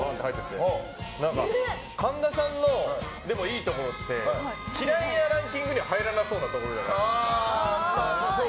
でも、神田さんのいいところって嫌いなランキングには入らなそうなところじゃないですか。